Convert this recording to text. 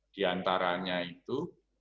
di antaranya itu